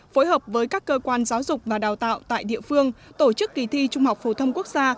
phối hợp với các cơ quan giáo dục và đào tạo tại địa phương tổ chức kỳ thi trung học phổ thông quốc gia